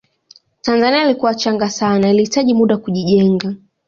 tanzania ilikuwa changa sana ilihitaji muda kujijenga